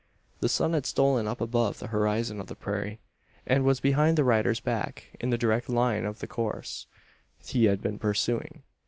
The sun had stolen up above the horizon of the prairie, and was behind the rider's back, in the direct line of the course he had been pursuing.